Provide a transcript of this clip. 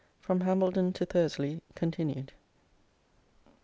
From Hambledon to Thursley (continued).